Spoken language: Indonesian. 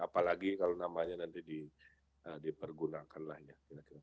apalagi kalau namanya nanti dipergunakan lah ya